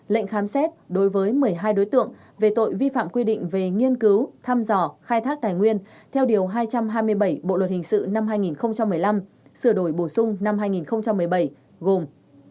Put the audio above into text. lệnh khám xét đối với một mươi hai đối tượng về tội vi phạm quy định về nghiên cứu thăm dò khai thác tài nguyên theo điều hai trăm hai mươi bảy bộ luật hình sự năm hai nghìn một mươi năm sửa đổi bổ sung năm hai nghìn một mươi bảy gồm